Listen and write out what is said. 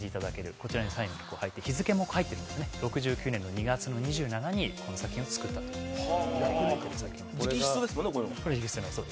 こちらにサインも入っていて、日付も入ってて、６９年の２月２７日にこの作品を作ったということです。